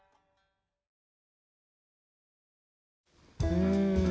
うん。